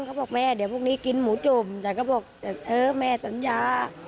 เขาบอกแม่เดี๋ยวพรุ่งนี้กินหมูจุ่มแต่ก็บอกแต่เออแม่สัญญา